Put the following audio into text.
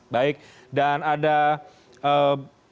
baik dan ada mbak neti